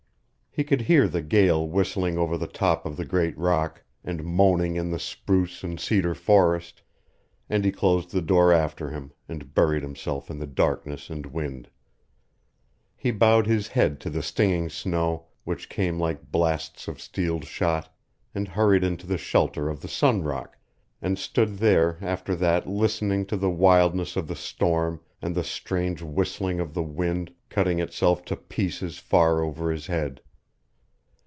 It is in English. He could hear the gale whistling over the top of the great rock, and moaning in the spruce and cedar forest, and he closed the door after him, and buried himself in the darkness and wind. He bowed his head to the stinging snow, which came like blasts of steeled shot, and hurried into the shelter of the Sun Rock, and stood there after that listening to the wildness of the storm and the strange whistling of the wind cutting itself to pieces far over his head.